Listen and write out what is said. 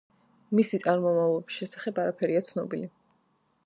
მისი წარმომავლობის შესახებ არაფერია ცნობილი.